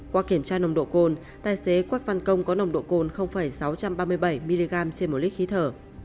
qua kiểm tra nồng độ cồn tài xế quách văn công có nồng độ cồn sáu trăm ba mươi bảy mg trên một lít khí thở